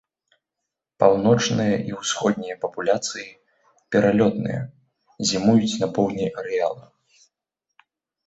Паўночныя і ўсходнія папуляцыі пералётныя, зімуюць на поўдні арэала.